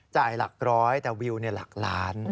หลักร้อยแต่วิวหลักล้าน